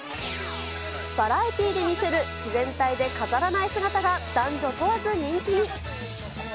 バラエティーで見せる、自然体で飾らない姿が男女問わず人気に。